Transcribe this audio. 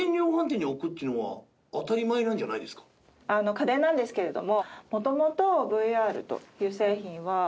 家電なんですけれども。